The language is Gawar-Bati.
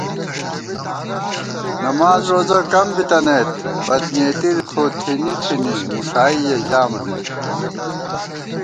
نماڅ روزہ کم بِتَنَئیت، بدنېتی خو تھنی تھنی مُݭائیَہ ژامہ نئ